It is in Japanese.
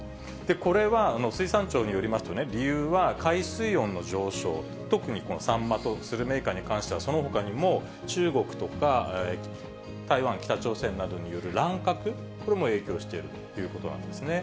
これは、水産庁によりますと、理由は海水温の上昇、特にこのサンマとスルメイカに関しては、そのほかにも、中国とか台湾、北朝鮮などによる乱獲、これも影響しているということなんですね。